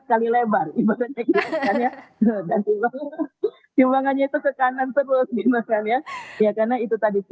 sekali lebar ibaratnya kira kira dan timbangannya itu ke kanan terus misalnya ya karena itu tadi